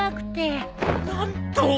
何と！